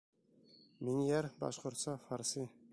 Минъяр баш., фарс.